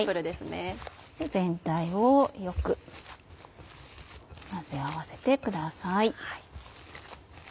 全体をよく混ぜ合わせてください。